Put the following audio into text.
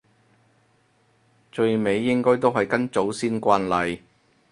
最尾應該都係跟祖先慣例